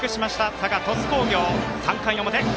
佐賀、鳥栖工業、３回の表。